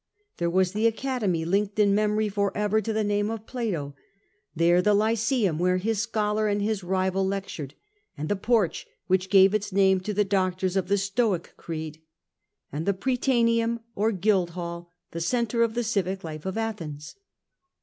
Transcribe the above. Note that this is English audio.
There was the Academy linked in memory for ever to the name of Plato : there the Lyceum where his scholar and his rival lectured, and the Porch which gave its name to the doctors of the Stoic creed, and the Prytaneum or Guildhall, the centre of the civic life of Athens.